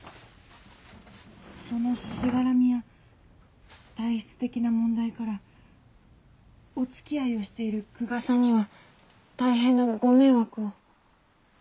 ・そのしがらみや体質的な問題からおつきあいをしている久我さんには大変なご迷惑を。